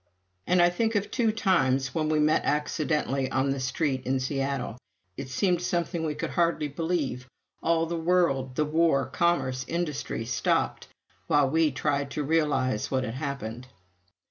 And I think of two times when we met accidentally on the street in Seattle it seemed something we could hardly believe: all the world the war, commerce, industry stopped while we tried to realize what had happened.